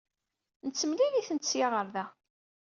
Nettemlil-itent ssya ɣer da.